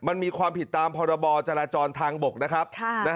มันมีความผิดตามพรบจราจรทางบกนะครับ